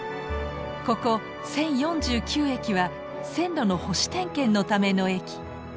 ここ１０４９駅は線路の保守点検のための駅。